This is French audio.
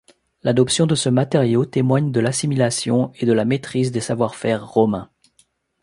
L’adoption de ce matériau témoigne de l’assimilation et de la maîtrise des savoir-faire romains.